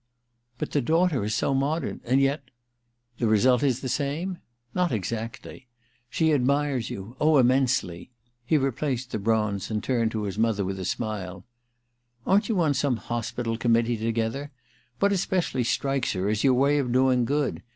*But the daughter is so modern — and yet '* The result is the same ? Not exactly. She admires you — oh, immensely !* He replaced the bronze and turned to his mother with a smile. * Aren't you on some hospital committee together ? What especially strikes her is your way of doing good.